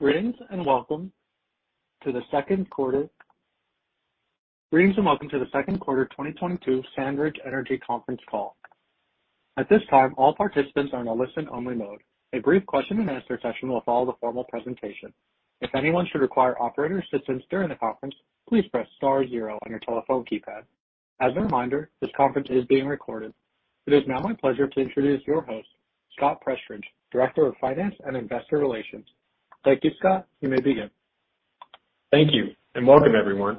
Greetings, and welcome to the Second Quarter 2022 SandRidge Energy Conference Call. At this time, all participants are in a listen-only mode. A brief question-and-answer session will follow the formal presentation. If anyone should require operator assistance during the conference, please press star zero on your telephone keypad. As a reminder, this conference is being recorded. It is now my pleasure to introduce your host, Scott Prestridge, Director of Finance and Investor Relations. Thank you, Scott. You may begin. Thank you, and welcome, everyone.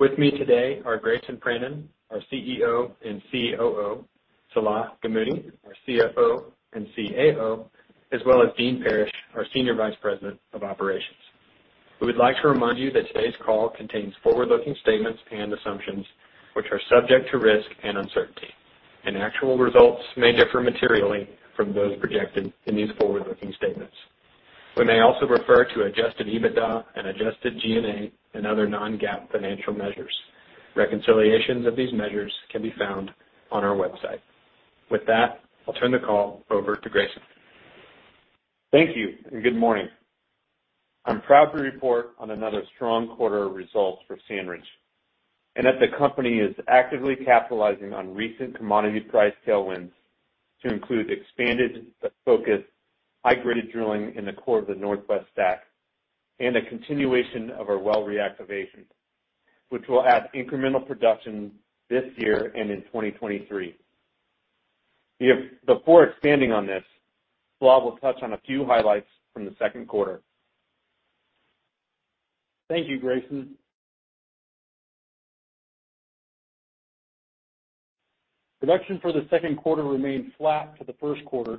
With me today are Grayson Pranin, our CEO and COO, Salah Gamoudi, our CFO and CAO, as well as Dean Parrish, our Senior Vice President of Operations. We would like to remind you that today's call contains forward-looking statements and assumptions which are subject to risk and uncertainty, and actual results may differ materially from those projected in these forward-looking statements. We may also refer to Adjusted EBITDA and Adjusted G&A and other non-GAAP financial measures. Reconciliations of these measures can be found on our website. With that, I'll turn the call over to Grayson. Thank you, and good morning. I'm proud to report on another strong quarter of results for SandRidge, and that the company is actively capitalizing on recent commodity price tailwinds to include expanded but focused high-graded drilling in the core of the Northwest STACK and a continuation of our well reactivation, which will add incremental production this year and in 2023. Before expanding on this, Salah will touch on a few highlights from the second quarter. Thank you, Grayson. Production for the second quarter remained flat to the first quarter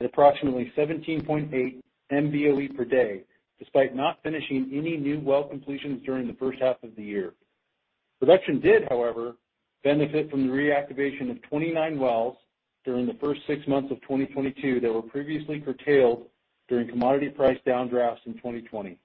at approximately 17.8 Mboe per day, despite not finishing any new well completions during the first half of the year. Production did, however, benefit from the reactivation of 29 wells during the first six months of 2022 that were previously curtailed during commodity price downdrafts in 2020.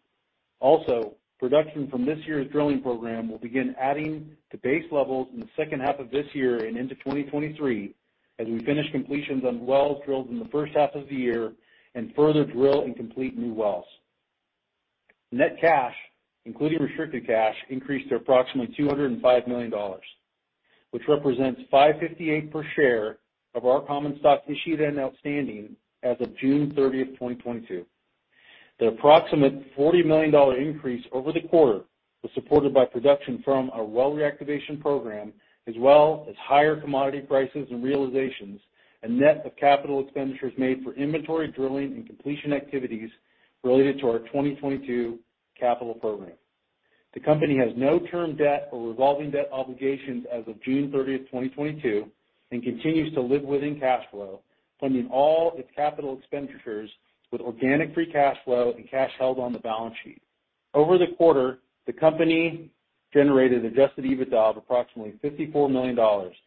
Also, production from this year's drilling program will begin adding to base levels in the second half of this year and into 2023, as we finish completions on wells drilled in the first half of the year and further drill and complete new wells. Net cash, including restricted cash, increased to approximately $205 million, which represents $5.58 per share of our common stocks issued and outstanding as of June 30, 2022. The approximate $40 million increase over the quarter was supported by production from our well reactivation program, as well as higher commodity prices and realizations and net of capital expenditures made for inventory drilling and completion activities related to our 2022 capital program. The company has no term debt or revolving debt obligations as of June 30, 2022, and continues to live within cash flow, funding all its capital expenditures with organic free cash flow and cash held on the balance sheet. Over the quarter, the company generated Adjusted EBITDA of approximately $54 million,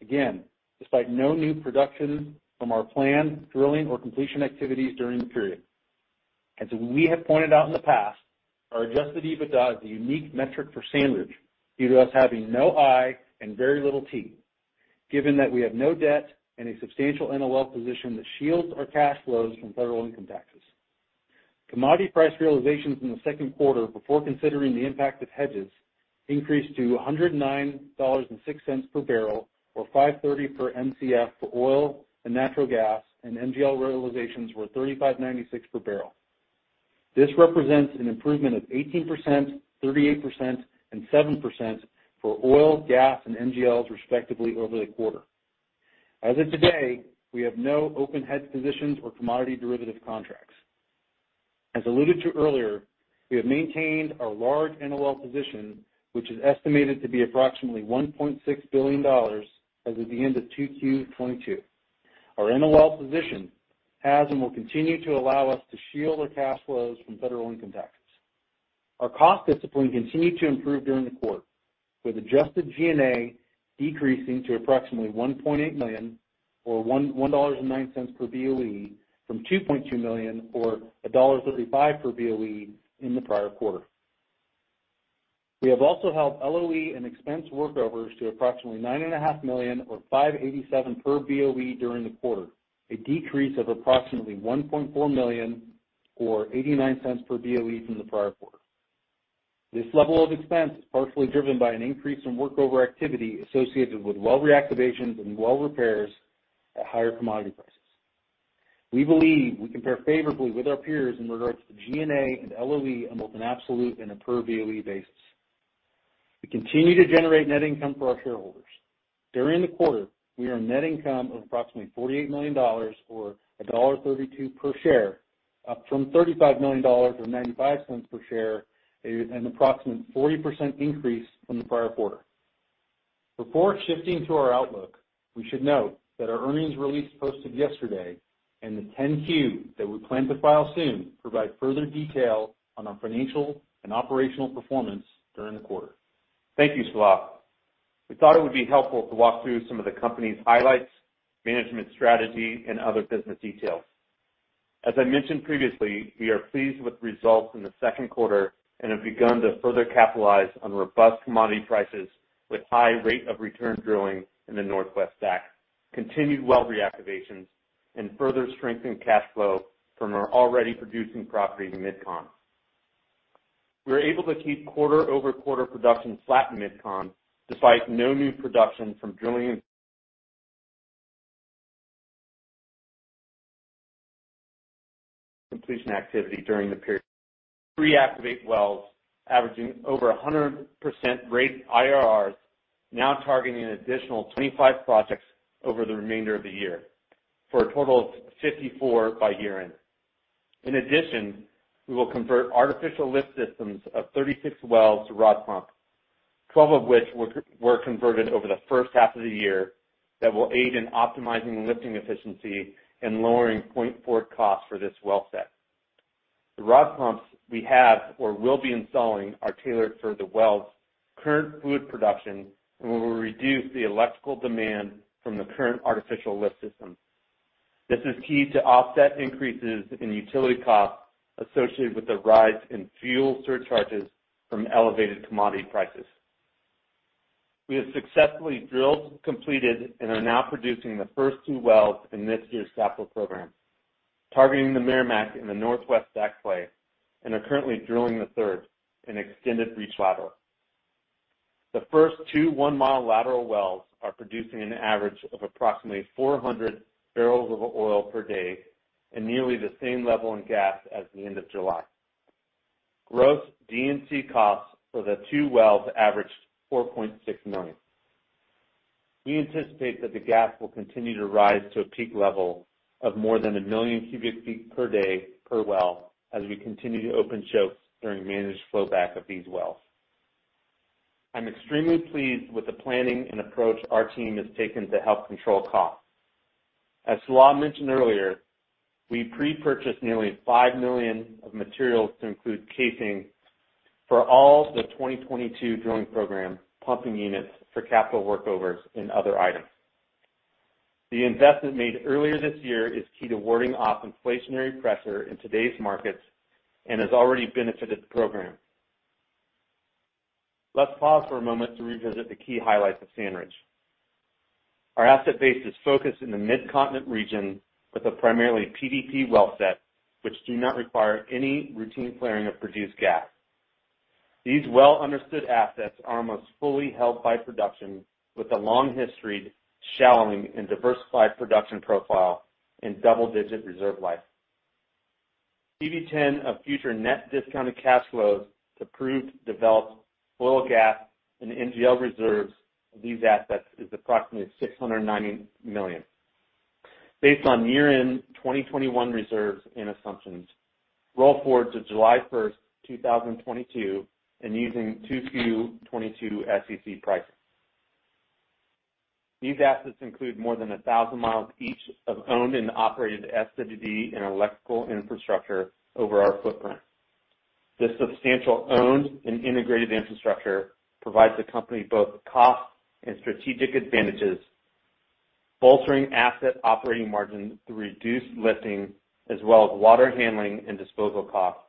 again, despite no new production from our planned drilling or completion activities during the period. As we have pointed out in the past, our Adjusted EBITDA is a unique metric for SandRidge due to us having no I and very little T, given that we have no debt and a substantial NOL position that shields our cash flows from federal income taxes. Commodity price realizations in the second quarter, before considering the impact of hedges, increased to $109.06 per barrel or $5.30 per Mcf for oil and natural gas, and NGL realizations were $35.96 per barrel. This represents an improvement of 18%, 38%, and 7% for oil, gas, and NGLs, respectively, over the quarter. As of today, we have no open hedge positions or commodity derivative contracts. As alluded to earlier, we have maintained our large NOL position, which is estimated to be approximately $1.6 billion as of the end of 2Q 2022. Our NOL position has and will continue to allow us to shield our cash flows from federal income taxes. Our cost discipline continued to improve during the quarter, with Adjusted G&A decreasing to approximately $1.8 million, or $1.09 per Boe, from $2.2 million, or $1.35 per Boe in the prior quarter. We have also held LOE and expensed workovers to approximately $9.5 million, or $5.87 per Boe during the quarter, a decrease of approximately $1.4 million, or $0.89 per Boe from the prior quarter. This level of expense is partially driven by an increase in workover activity associated with well reactivations and well repairs at higher commodity prices. We believe we compare favorably with our peers in regards to G&A and LOE on both an absolute and a per Boe basis. We continue to generate net income for our shareholders. During the quarter, we earned net income of approximately $48 million, or $1.32 per share, up from $35 million, or $0.95 per share, an approximate 40% increase from the prior quarter. Before shifting to our outlook, we should note that our earnings release posted yesterday and the 10-Q that we plan to file soon provide further detail on our financial and operational performance during the quarter. Thank you, Salah. We thought it would be helpful to walk through some of the company's highlights, management strategy, and other business details. As I mentioned previously, we are pleased with results in the second quarter and have begun to further capitalize on robust commodity prices with high rate of return drilling in the Northwest STACK, continued well reactivations, and further strengthened cash flow from our already producing property in MidCon. We were able to keep quarter-over-quarter production flat in MidCon despite no new production from drilling and completion activity during the period. Reactivate wells averaging over 100% rate IRRs, now targeting an additional 25 projects over the remainder of the year for a total of 54 by year-end. In addition, we will convert artificial lift systems of 36 wells to rod pump, 12 of which were converted over the first half of the year, that will aid in optimizing lifting efficiency and lowering 0.4 cost for this well set. The rod pumps we have or will be installing are tailored for the wells' current fluid production and will reduce the electrical demand from the current artificial lift system. This is key to offset increases in utility costs associated with the rise in fuel surcharges from elevated commodity prices. We have successfully drilled, completed, and are now producing the first two wells in this year's capital program, targeting the Meramec in the Northwest STACK play, and are currently drilling the third in extended reach lateral. The first two 1-mile lateral wells are producing an average of approximately 400 barrels of oil per day and nearly the same level in gas as the end of July. Gross D&C costs for the two wells averaged $4.6 million. We anticipate that the gas will continue to rise to a peak level of more than 1 million cubic feet per day per well as we continue to open chokes during managed flow back of these wells. I'm extremely pleased with the planning and approach our team has taken to help control costs. As Salah mentioned earlier, we pre-purchased nearly $5 million of materials to include casing for all the 2022 drilling program, pumping units for capital workovers, and other items. The investment made earlier this year is key to warding off inflationary pressure in today's markets and has already benefited the program. Let's pause for a moment to revisit the key highlights of SandRidge. Our asset base is focused in the Mid-Continent region with a primarily PDP well set, which do not require any routine flaring of produced gas. These well-understood assets are almost fully held by production with a long history of shallow decline and diversified production profile and double-digit reserve life. PV-10 of future net discounted cash flows to proved developed oil and gas and NGL reserves of these assets is approximately $690 million. Based on year-end 2021 reserves and assumptions, roll forward to July 1, 2022, and using 2Q 2022 SEC pricing. These assets include more than 1,000 miles each of owned and operated SWD and electrical infrastructure over our footprint. This substantial owned and integrated infrastructure provides the company both cost and strategic advantages, bolstering asset operating margin through reduced lifting as well as water handling and disposal costs,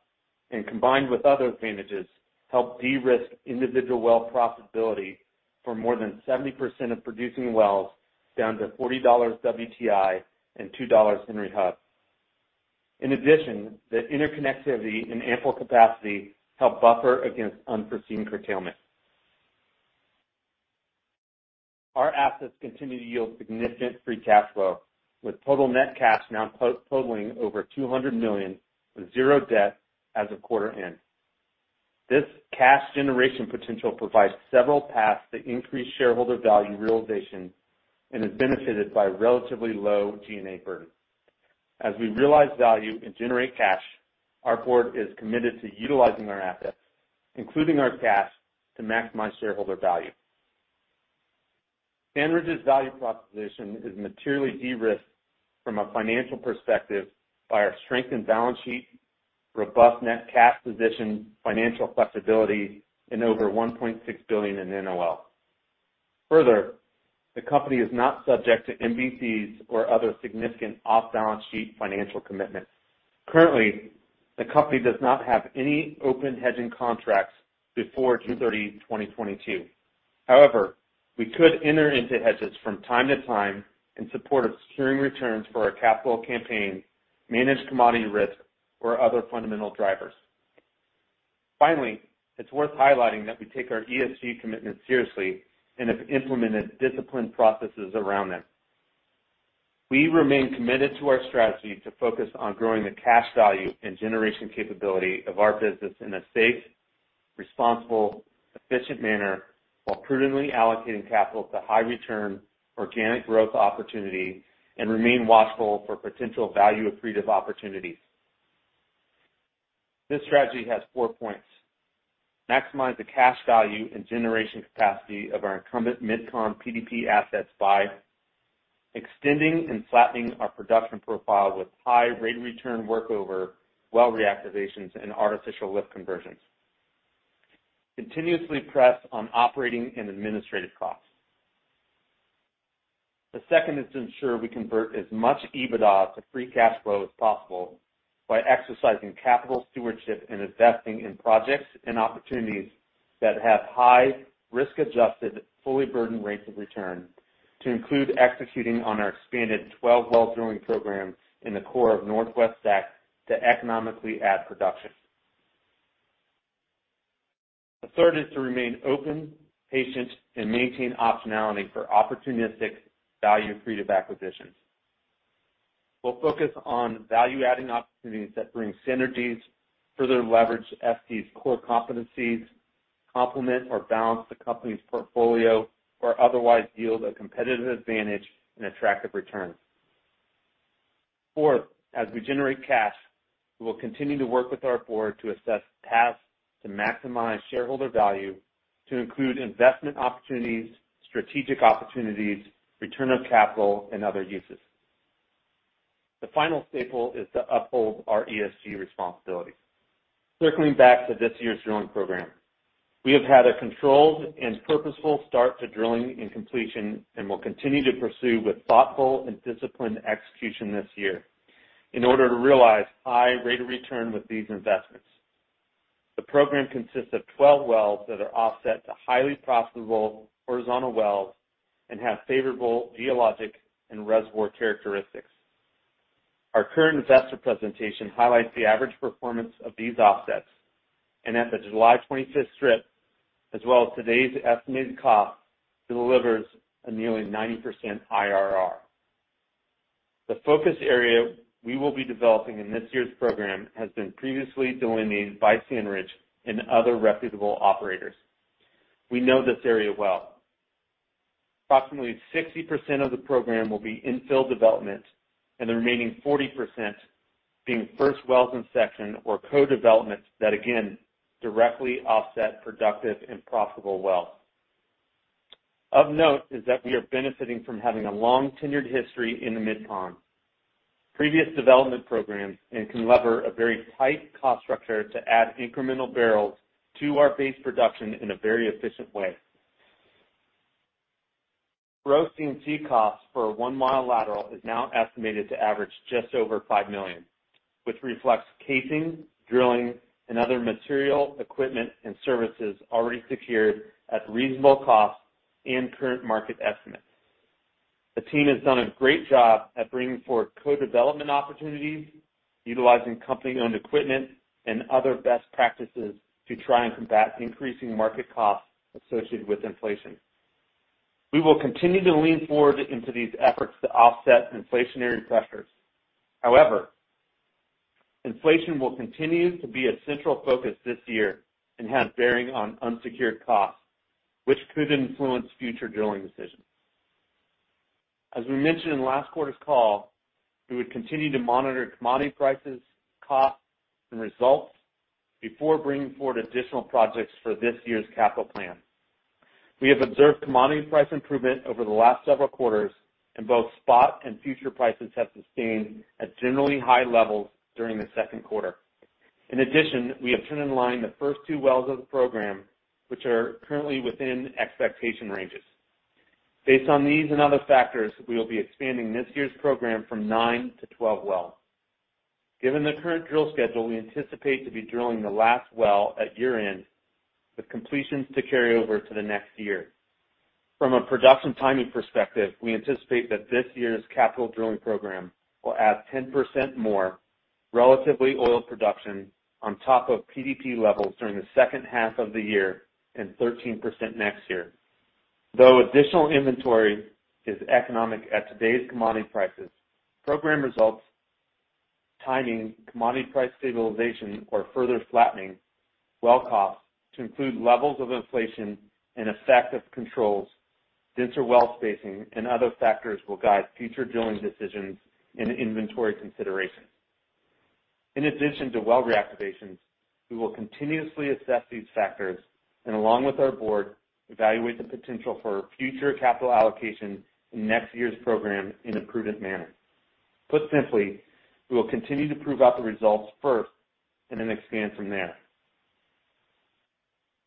and combined with other advantages, help de-risk individual well profitability for more than 70% of producing wells down to $40 WTI and $2 Henry Hub. In addition, the interconnectivity and ample capacity help buffer against unforeseen curtailment. Our assets continue to yield significant free cash flow, with total net cash now post- totaling over $200 million with zero debt as of quarter end. This cash generation potential provides several paths to increase shareholder value realization and is benefited by relatively low G&A burden. As we realize value and generate cash, our board is committed to utilizing our assets, including our cash, to maximize shareholder value. SandRidge's value proposition is materially de-risked from a financial perspective by our strengthened balance sheet, robust net cash position, financial flexibility, and over $1.6 billion in NOL. Further, the company is not subject to MBCs or other significant off-balance sheet financial commitments. Currently, the company does not have any open hedging contracts beyond 2022. However, we could enter into hedges from time to time in support of securing returns for our capital campaign, managed commodity risk, or other fundamental drivers. Finally, it's worth highlighting that we take our ESG commitment seriously and have implemented disciplined processes around them. We remain committed to our strategy to focus on growing the cash value and generation capability of our business in a safe, responsible, efficient manner, while prudently allocating capital to high return organic growth opportunities and remain watchful for potential value accretive opportunities. This strategy has four points. Maximize the cash value and generation capacity of our incumbent MidCon PDP assets by extending and flattening our production profile with high rate return workover, well reactivations, and artificial lift conversions. Continuously press on operating and administrative costs. The second is to ensure we convert as much EBITDA to free cash flow as possible by exercising capital stewardship and investing in projects and opportunities that have high risk-adjusted, fully burdened rates of return. To include executing on our expanded 12-well drilling program in the core of Northwest STACK to economically add production. The third is to remain open, patient, and maintain optionality for opportunistic value-creative acquisitions. We'll focus on value-adding opportunities that bring synergies, further leverage SD's core competencies, complement or balance the company's portfolio, or otherwise yield a competitive advantage and attractive returns. Fourth, as we generate cash, we will continue to work with our board to assess paths to maximize shareholder value to include investment opportunities, strategic opportunities, return of capital, and other uses. The final staple is to uphold our ESG responsibilities. Circling back to this year's drilling program, we have had a controlled and purposeful start to drilling and completion, and will continue to pursue with thoughtful and disciplined execution this year in order to realize high rate of return with these investments. The program consists of 12 wells that are offset to highly profitable horizontal wells and have favorable geologic and reservoir characteristics. Our current investor presentation highlights the average performance of these offsets, and at the July 25 strip, as well as today's estimated cost, delivers a nearly 90% IRR. The focus area we will be developing in this year's program has been previously delineated by SandRidge and other reputable operators. We know this area well. Approximately 60% of the program will be infill development, and the remaining 40% being first wells in section or co-development that again, directly offset productive and profitable wells. Of note is that we are benefiting from having a long-tenured history in the MidCon. Previous development programs and can leverage a very tight cost structure to add incremental barrels to our base production in a very efficient way. Gross D&C costs for a one-mile lateral is now estimated to average just over $5 million, which reflects casing, drilling, and other material, equipment, and services already secured at reasonable costs and current market estimates. The team has done a great job at bringing forward co-development opportunities, utilizing company-owned equipment and other best practices to try and combat increasing market costs associated with inflation. We will continue to lean forward into these efforts to offset inflationary pressures. However, inflation will continue to be a central focus this year and have bearing on incurred costs, which could influence future drilling decisions. As we mentioned in last quarter's call, we would continue to monitor commodity prices, costs, and results before bringing forward additional projects for this year's capital plan. We have observed commodity price improvement over the last several quarters, and both spot and future prices have sustained at generally high levels during the second quarter. In addition, we have turned online the first two wells of the program, which are currently within expectation ranges. Based on these and other factors, we will be expanding this year's program from nine to 12 wells. Given the current drill schedule, we anticipate to be drilling the last well at year-end, with completions to carry over to the next year. From a production timing perspective, we anticipate that this year's capital drilling program will add 10% more relatively oil production on top of PDP levels during the second half of the year and 13% next year. Though additional inventory is economic at today's commodity prices, program results, timing, commodity price stabilization or further flattening, well costs to include levels of inflation and effect of controls, denser well spacing and other factors will guide future drilling decisions and inventory consideration. In addition to well reactivations, we will continuously assess these factors, and along with our board, evaluate the potential for future capital allocation in next year's program in a prudent manner. Put simply, we will continue to prove out the results first and then expand from there.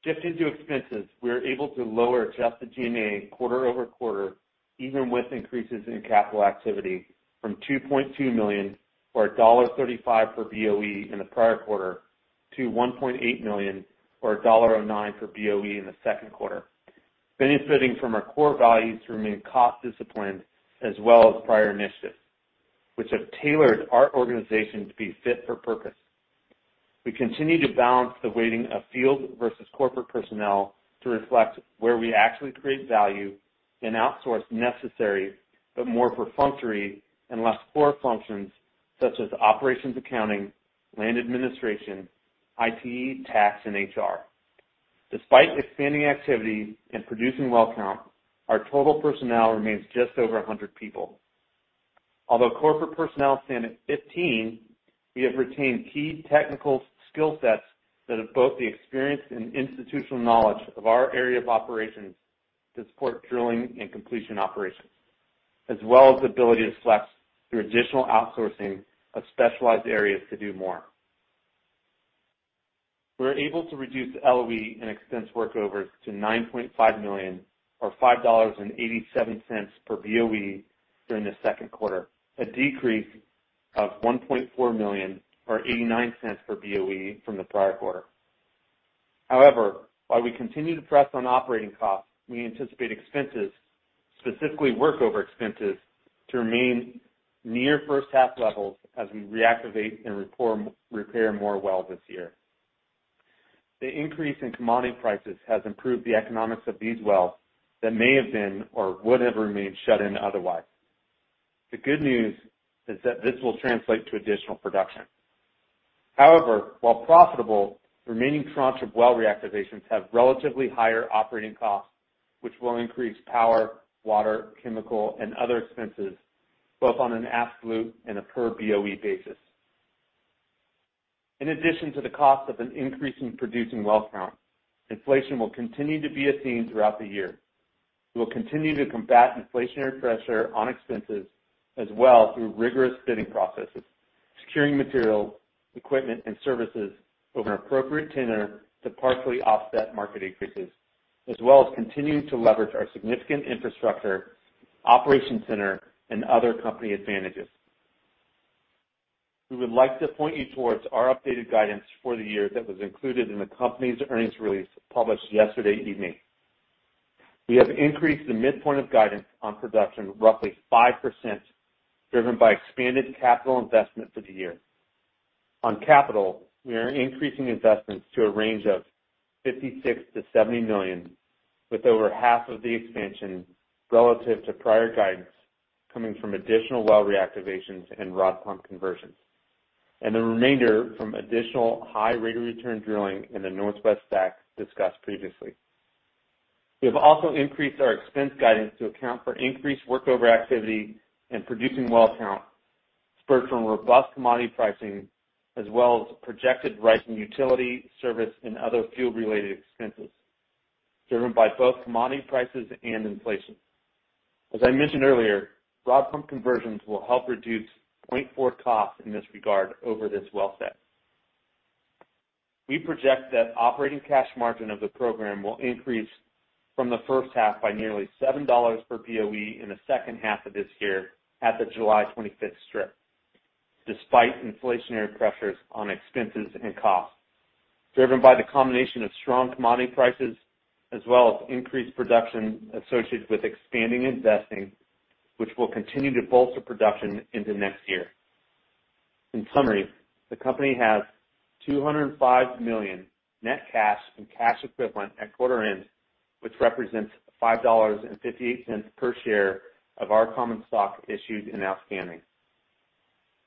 Shifting to expenses, we are able to lower Adjusted G&A quarter-over-quarter, even with increases in capital activity from $2.2 million or $1.35 per BOE in the prior quarter to $1.8 million or $1.09 per BOE in the second quarter. Benefiting from our core values to remain cost disciplined as well as prior initiatives, which have tailored our organization to be fit for purpose. We continue to balance the weighting of field versus corporate personnel to reflect where we actually create value and outsource necessary, but more perfunctory and less core functions such as operations accounting, land administration, IT, tax, and HR. Despite expanding activity and producing well count, our total personnel remains just over 100 people. Although corporate personnel stand at 15, we have retained key technical skill sets that have both the experience and institutional knowledge of our area of operations to support drilling and completion operations, as well as the ability to flex through additional outsourcing of specialized areas to do more. We were able to reduce LOE and expense workovers to $9.5 million or $5.87 per Boe during the second quarter, a decrease of $1.4 million or $0.89 per Boe from the prior quarter. However, while we continue to press on operating costs, we anticipate expenses, specifically workover expenses, to remain near first half levels as we reactivate and repair more wells this year. The increase in commodity prices has improved the economics of these wells that may have been or would have remained shut in otherwise. The good news is that this will translate to additional production. However, while profitable, remaining tranches of well reactivations have relatively higher operating costs, which will increase power, water, chemical, and other expenses, both on an absolute and a per Boe basis. In addition to the cost of an increase in producing well count, inflation will continue to be a theme throughout the year. We will continue to combat inflationary pressure on expenses as well through rigorous bidding processes, securing material, equipment, and services over an appropriate tenure to partially offset market increases, as well as continuing to leverage our significant infrastructure, operation center, and other company advantages. We would like to point you towards our updated guidance for the year that was included in the company's earnings release published yesterday evening. We have increased the midpoint of guidance on production roughly 5%, driven by expanded capital investment for the year. On capital, we are increasing investments to a range of $56 million-$70 million, with over half of the expansion relative to prior guidance coming from additional well reactivations and rod pump conversions, and the remainder from additional high rate of return drilling in the Northwest STACK discussed previously. We have also increased our expense guidance to account for increased workover activity and producing well count, spurred from robust commodity pricing as well as projected rise in utility, service, and other fuel-related expenses, driven by both commodity prices and inflation. As I mentioned earlier, rod pump conversions will help reduce 0.4 costs in this regard over this well set. We project that operating cash margin of the program will increase from the first half by nearly $7 per Boe in the second half of this year at the July 25 strip, despite inflationary pressures on expenses and costs, driven by the combination of strong commodity prices as well as increased production associated with expanding investing, which will continue to bolster production into next year. In summary, the company has $205 million net cash and cash equivalent at quarter end, which represents $5.58 per share of our common stock issued and outstanding.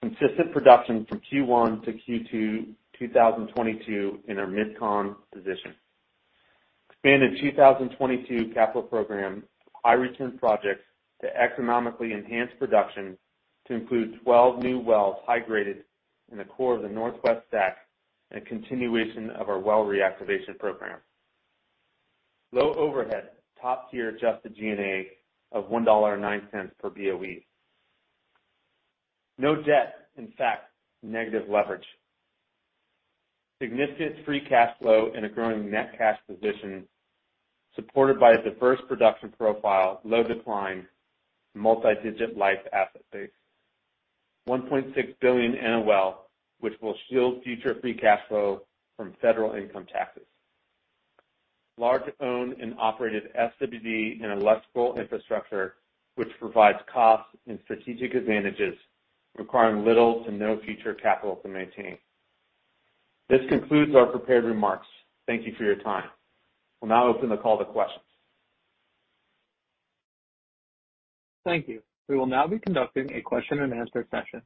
Consistent production from Q1 to Q2 2022 in our MidCon position. Expanded 2022 capital program, high return projects to economically enhance production to include 12 new wells high-graded in the core of the Northwest STACK and a continuation of our well reactivation program. Low overhead, top-tier Adjusted G&A of $1.09 per Boe. No debt, in fact, negative leverage. Significant free cash flow and a growing net cash position supported by a diverse production profile, low decline, multi-decade life asset base. $1.6 billion NOL, which will shield future free cash flow from federal income taxes. Large owned and operated SWD and electrical infrastructure, which provides cost and strategic advantages requiring little to no future capital to maintain. This concludes our prepared remarks. Thank you for your time. We'll now open the call to questions. Thank you. We will now be conducting a question and answer session.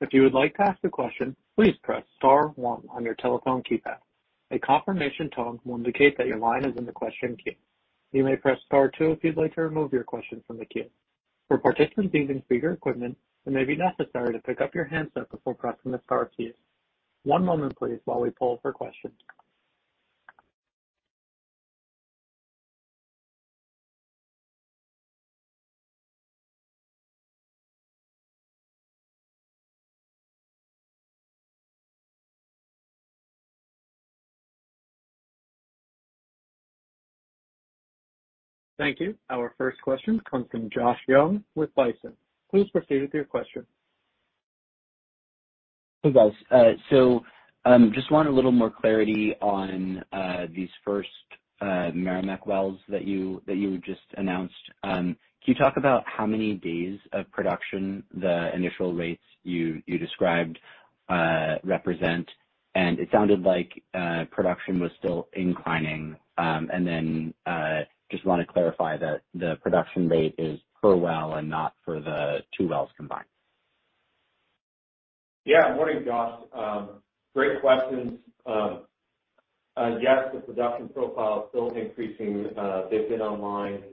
If you would like to ask a question, please press star one on your telephone keypad. A confirmation tone will indicate that your line is in the question queue. You may press star two if you'd like to remove your question from the queue. For participants using speaker equipment, it may be necessary to pick up your handset before pressing the star key. One moment please while we poll for questions. Thank you. Our first question comes from Josh Young with Bison. Please proceed with your question. Hey, guys. Just want a little more clarity on these first Meramec wells that you just announced. Can you talk about how many days of production the initial rates you described represent? It sounded like production was still inclining. Just wanna clarify that the production rate is per well and not for the two wells combined. Yeah. Morning, Josh. Great questions. Yes, the production profile is still increasing. They've been online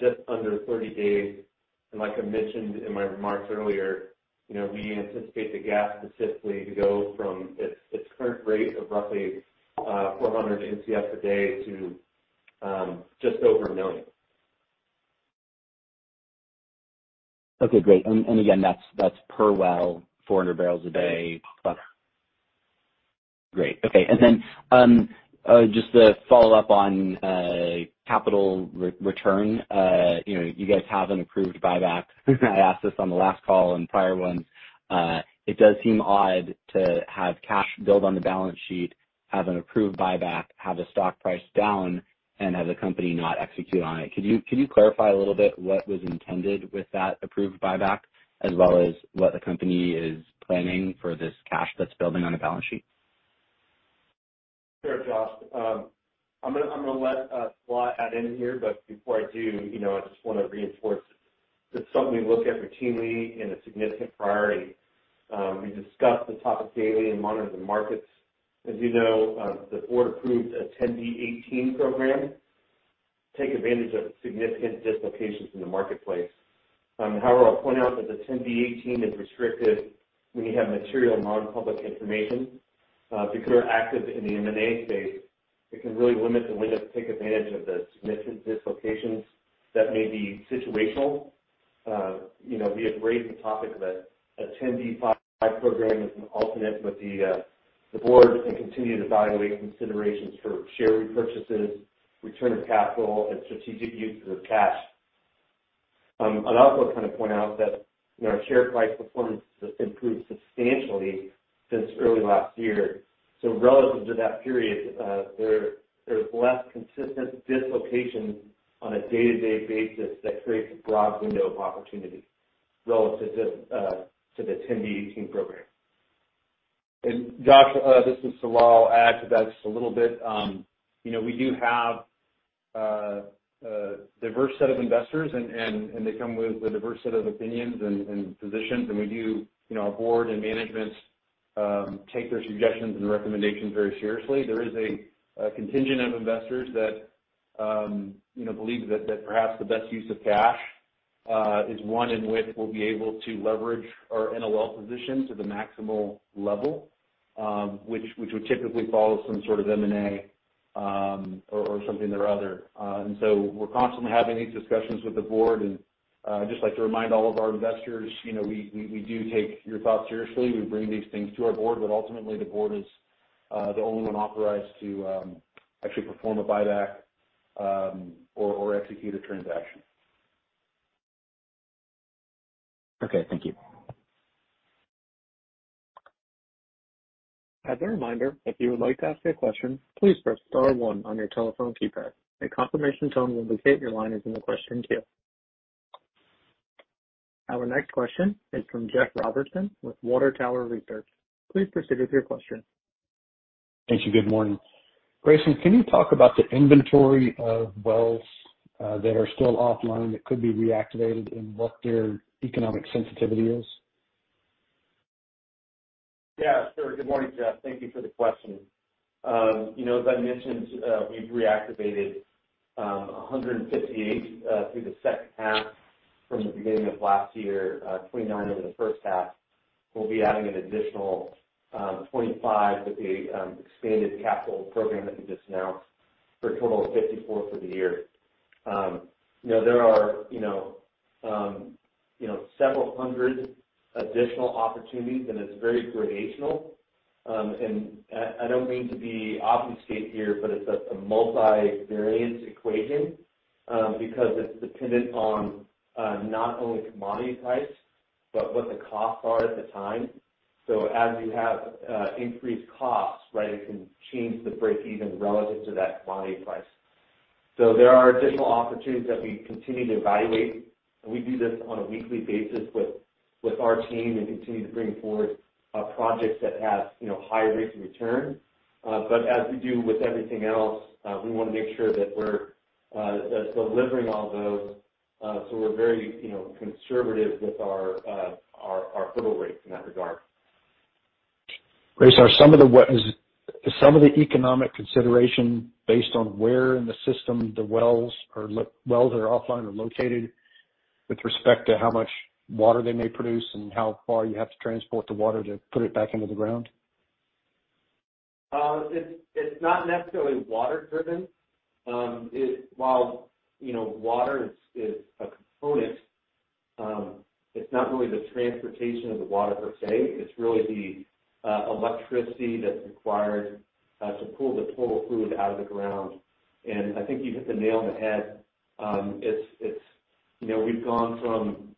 just under 30 days. Like I mentioned in my remarks earlier, you know, we anticipate the gas specifically to go from its current rate of roughly 400 MCF a day to just over 1 million. Okay, great. Again, that's per well, 400 barrels a day, plus? Great. Okay. Then, just to follow up on capital return, you know, you guys have an approved buyback. I asked this on the last call and prior ones. It does seem odd to have cash build on the balance sheet, have an approved buyback, have the stock price down, and have the company not execute on it. Could you clarify a little bit what was intended with that approved buyback as well as what the company is planning for this cash that's building on the balance sheet? Sure, Josh. I'm gonna let Salah add in here, but before I do, you know, I just wanna reinforce that's something we look at routinely and a significant priority. We discuss the topic daily and monitor the markets. As you know, the board approved a 10b-18 program to take advantage of significant dislocations in the marketplace. However, I'll point out that the 10b-18 is restricted when you have material non-public information. Because we're active in the M&A space, it can really limit the window to take advantage of the significant dislocations that may be situational. You know, we have raised the topic of a 10b5-1 program as an alternate with the board and continue to evaluate considerations for share repurchases, return of capital, and strategic uses of cash. I'd also kind of point out that, you know, our share price performance has improved substantially since early last year, so relative to that period, there's less consistent dislocations on a day-to-day basis that creates a broad window of opportunity relative to the 10b-18 program. Josh, this is Salah. Add to that just a little bit. You know, we do have a diverse set of investors and they come with a diverse set of opinions and positions. You know, our board and management take their suggestions and recommendations very seriously. There is a contingent of investors that, you know, believe that perhaps the best use of cash is one in which we'll be able to leverage our NOL position to the maximal level, which would typically follow some sort of M&A, or something or other. We're constantly having these discussions with the board. I'd just like to remind all of our investors, you know, we do take your thoughts seriously. We bring these things to our board, but ultimately the board is the only one authorized to actually perform a buyback, or execute a transaction. Okay. Thank you. As a reminder, if you would like to ask a question, please press star one on your telephone keypad. A confirmation tone will indicate your line is in the question queue. Our next question is from Jeff Robertson with Water Tower Research. Please proceed with your question. Thank you. Good morning. Grayson, can you talk about the inventory of wells, that are still offline that could be reactivated and what their economic sensitivity is? Yeah, sure. Good morning, Jeff. Thank you for the question. You know, as I mentioned, we've reactivated 158 through the second half from the beginning of last year, 29 over the first half. We'll be adding an additional 25 with the expanded capital program that we just announced for a total of 54 for the year. You know, there are, you know, several hundred additional opportunities and it's very gradational. I don't mean to be obfuscating here, but it's a multivariate equation because it's dependent on not only commodity price, but what the costs are at the time. As you have increased costs, right, it can change the break even relative to that commodity price. There are additional opportunities that we continue to evaluate, and we do this on a weekly basis with our team and continue to bring forward projects that have you know higher rates of return. As we do with everything else, we wanna make sure that we're that's delivering all those. We're very you know conservative with our hurdle rates in that regard. Grayson, what is some of the economic consideration based on where in the system the wells are offline or located with respect to how much water they may produce and how far you have to transport the water to put it back into the ground? It's not necessarily water driven. While, you know, water is a component, it's not really the transportation of the water per se, it's really the electricity that's required to pull the total fluid out of the ground. I think you hit the nail on the head. It's, you know, we've gone from,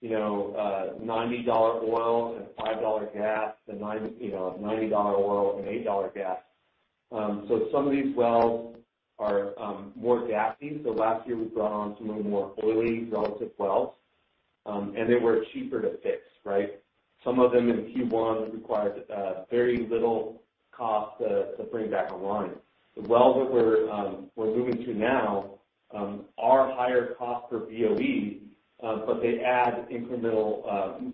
you know, $90 oil and $5 gas to $90 oil and $8 gas. Some of these wells are more gassy. Last year, we brought on some of the more oily relative wells, and they were cheaper to fix, right? Some of them in Q1 required very little cost to bring back online. The wells that we're moving to now are higher cost per BOE, but they add incremental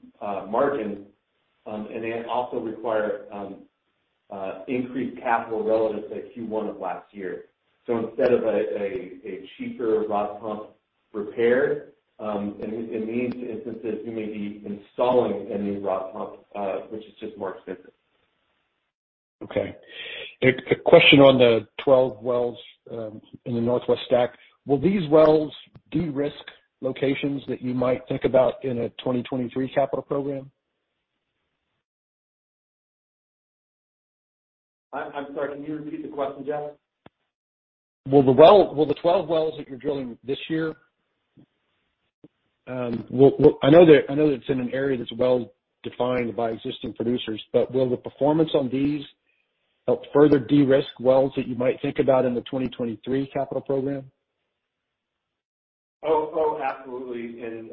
margin, and they also require increased capital relative to Q1 of last year. Instead of a cheaper rod pump repair, in these instances, we may be installing a new rod pump, which is just more expensive. Okay, a question on the 12 wells in the Northwest STACK. Will these wells de-risk locations that you might think about in a 2023 capital program? I'm sorry, can you repeat the question, Jeff? Will the 12 wells that you're drilling this year, will I know that it's in an area that's well defined by existing producers, but will the performance on these help further de-risk wells that you might think about in the 2023 capital program? Absolutely.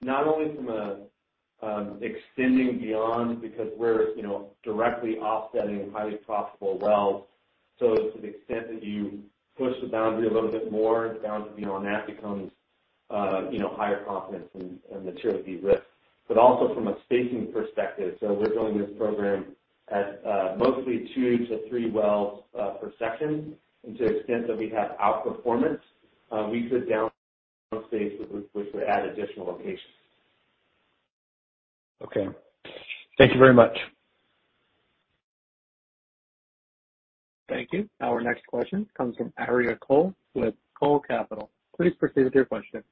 Not only from extending beyond because we're, you know, directly offsetting highly profitable wells. To the extent that you push the boundary a little bit more, the boundary beyond that becomes, you know, higher confidence and materially de-risked. Also from a spacing perspective. We're drilling this program at mostly two to three wells per section. To the extent that we have outperformance, we could down space, which would add additional locations. Okay. Thank you very much. Thank you. Our next question comes from Arieh Cole with Cole Capital. Please proceed with your question.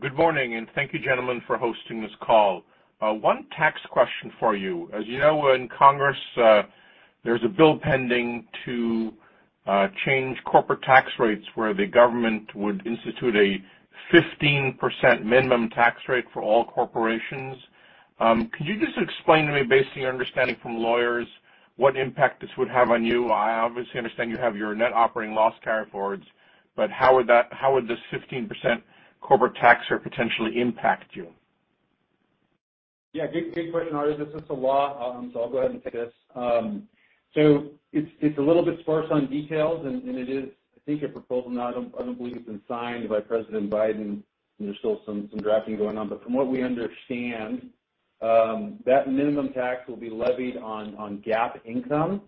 Good morning, and thank you, gentlemen, for hosting this call. One tax question for you. As you know, in Congress, there's a bill pending to change corporate tax rates, where the government would institute a 15% minimum tax rate for all corporations. Could you just explain to me, based on your understanding from lawyers, what impact this would have on you? I obviously understand you have your net operating loss carryforwards, but how would this 15% corporate tax rate potentially impact you? Yeah, good question, Arieh. This is Salah, so I'll go ahead and take this. It's a little bit sparse on details, and it is, I think, a proposal. I don't believe it's been signed by President Biden, and there's still some drafting going on. From what we understand, that minimum tax will be levied on GAAP income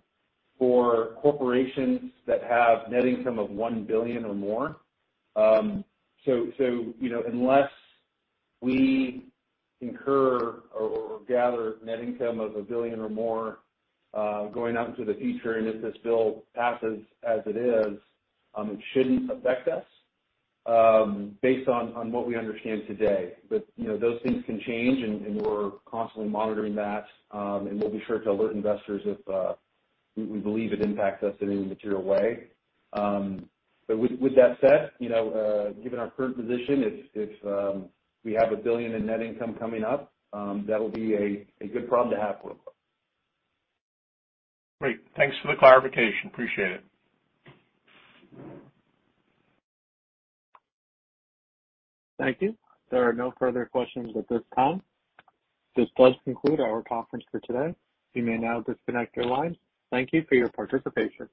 for corporations that have net income of 1 billion or more. You know, unless we incur or gather net income of 1 billion or more, going out into the future, and if this bill passes as it is, it shouldn't affect us, based on what we understand today. You know, those things can change, and we're constantly monitoring that. We'll be sure to alert investors if we believe it impacts us in any material way. With that said, you know, given our current position, if we have $1 billion in net income coming up, that'll be a good problem to have real quick. Great. Thanks for the clarification. Appreciate it. Thank you. There are no further questions at this time. This does conclude our conference for today. You may now disconnect your lines. Thank you for your participation.